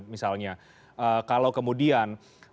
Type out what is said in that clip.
misalnya kalau kemudian